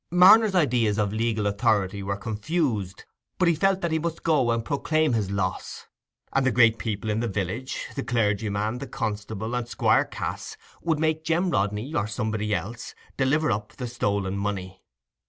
Marner's ideas of legal authority were confused, but he felt that he must go and proclaim his loss; and the great people in the village—the clergyman, the constable, and Squire Cass—would make Jem Rodney, or somebody else, deliver up the stolen money.